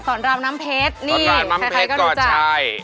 สอนรามน้ำเพชรนี่ใครก็รู้จัก